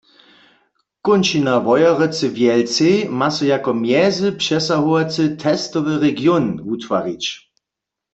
Kónčina Wojerecy-Wjelcej ma so jako mjezy přesahowacy testowy region wutwarić.